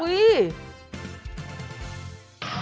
อุ๊ย